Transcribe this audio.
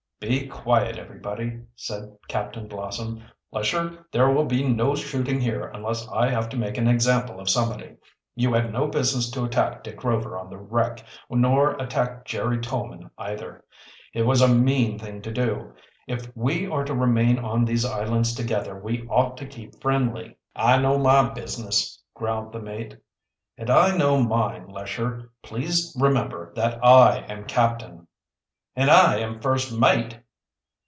"Be quiet, everybody," said Captain Blossom. "Lesher, there will be no shootng here, unless I have to make an example of somebody. You had no business to attack Dick Rover on the wreck, nor attack Jerry Tolman, either. It was a mean thing to do. If we are to remain on these islands together, we ought to keep friendly." "I know my business," growled the mate. "And I know mine, Lesher. Please remember that I am captain." "And I am first mate."